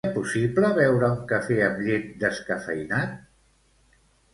Seria possible beure un cafè amb llet descafeïnat?